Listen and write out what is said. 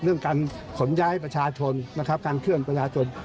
เรื่องการขนย้ายประชาชนนะครับการเคลื่อนประชาชน